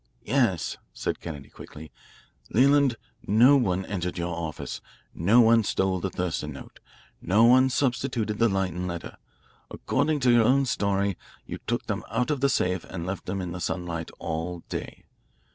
"Yes," said Kennedy quickly. "Leland, no one entered your office. No one stole the Thurston note. No one substituted the Lytton letter. According to your own story, you took them out of the safe and left them in the sunlight all day.